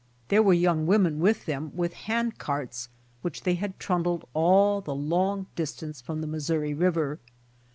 There were young \s'omen with them with hand carts which they had trundled all the long distance from the Miss ouri river.